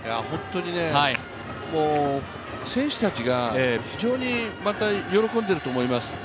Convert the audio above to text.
本当にね、選手たちが非常にまた喜んでると思います。